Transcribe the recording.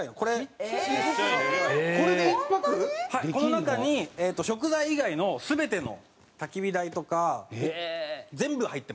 この中に食材以外の全ての焚き火台とか全部入ってます。